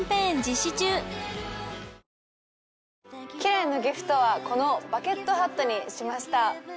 綺羅へのギフトはこのバケットハットにしました。